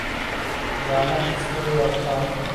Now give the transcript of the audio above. زحمت ایستلی او کار